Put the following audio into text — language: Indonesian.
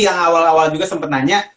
yang awal awal juga sempat nanya